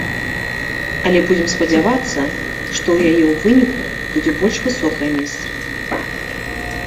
Але будзем спадзявацца, што ў яе ў выніку будзе больш высокае месца.